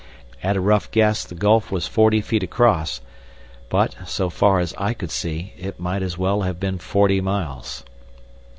At a rough guess the gulf was forty feet across, but, so far as I could see, it might as well have been forty miles.